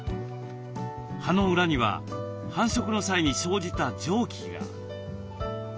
葉の裏には繁殖の際に生じた蒸気が。